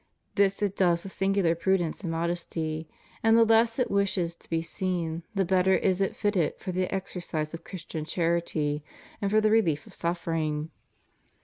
This it does with singular prudence and modesty; and the less it wishes to be seen, the better is it fitted for the exercise of Christian charity, and for the rehef of suffer ing.